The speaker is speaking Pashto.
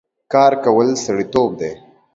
کار کول سړيتوب دی